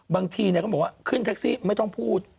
บางทีเขาบอกว่าขึ้นแท็กซี่ไม่ต้องพูด